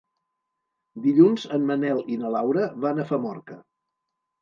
Dilluns en Manel i na Laura van a Famorca.